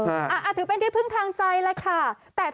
ถือเป็นที่พึ่งทางใจแหละค่ะ